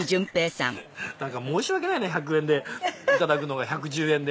申し訳ないな１００円で頂くのが１１０円で。